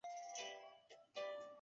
卢比安人口变化图示